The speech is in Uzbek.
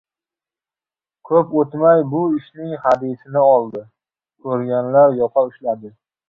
Koʻp oʻtmay bu ishning hadisini oldi, koʻrganlar yoqa ushladi.